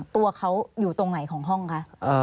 ตัวเขาอยู่ตรงไหนของห้องคะ